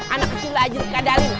anak kecil aja dikadalin